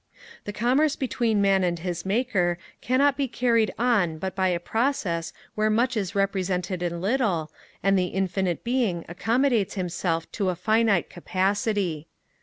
The commerce between Man and his Maker cannot be carried on but by a process where much is represented in little, and the Infinite Being accommodates himself to a finite capacity.